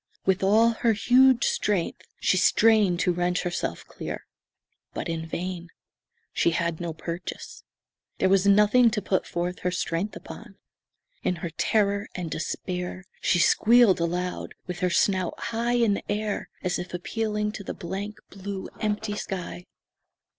With all her huge strength she strained to wrench herself clear. But in vain. She had no purchase. There was nothing to put forth her strength upon. In her terror and despair she squealed aloud, with her snout high in air as if appealing to the blank, blue, empty sky.